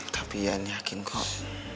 tapi yan yakin kok